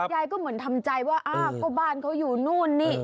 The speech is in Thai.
ยายก็เหมือนทำใจว่าอ้าวก็บ้านเขาอยู่นู่นนี่